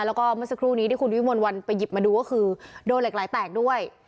แล้วก็เมื่อสักครู่นี้ที่คุณวิมนต์วันไปหยิบมาดูก็คือโดนเหล็กไหลแตกด้วย